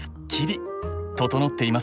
整っていますよね。